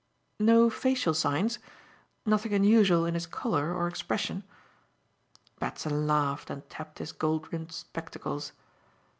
"No facial signs? Nothing unusual in his colour or expression." Batson laughed and tapped his gold rimmed spectacles.